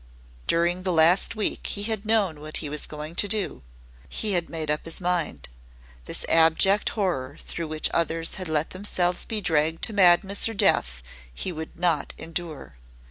During the last week he had known what he was going to do he had made up his mind. This abject horror through which others had let themselves be dragged to madness or death he would not endure.